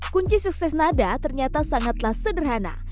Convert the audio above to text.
kunci sukses nada ternyata sangatlah sederhana